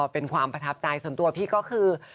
เป็นความประทับใจส่วนตัวพี่ก็คือ